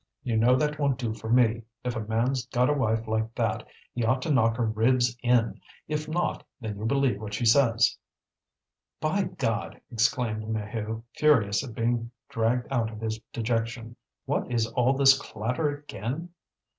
"You know that won't do for me. If a man's got a wife like that, he ought to knock her ribs in. If not, then you believe what she says." "By God!" exclaimed Maheu, furious at being dragged out of his dejection, "what is all this clatter again?